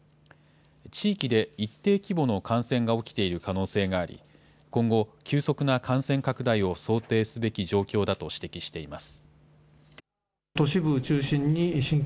地域で一定規模の感染が起きている可能性があり、今後、急速な感染拡大を想定すべき状況だと指摘しています。